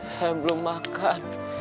saya belum makan